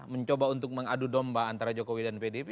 mencoba untuk mengadu domba antara jokowi dan pdp